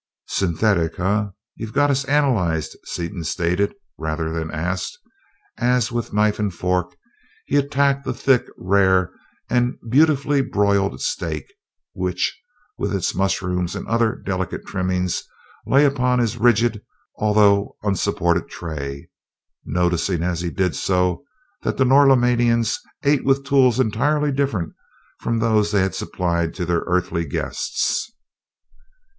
"Synthetic, eh? You've got us analyzed," Seaton stated, rather than asked, as with knife and fork he attacked the thick, rare, and beautifully broiled steak which, with its mushrooms and other delicate trimmings, lay upon his rigid although unsupported tray noticing as he did so that the Norlaminians ate with tools entirely different from those they had supplied to their Earthly guests.